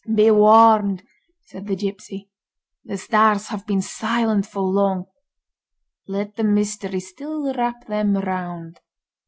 "Be warned!" said the gipsy. "The Stars have been silent for long; let the mystery still wrap them round."